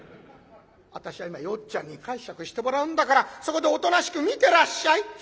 私は今よっちゃんに介錯してもらうんだからそこでおとなしく見てらっしゃい。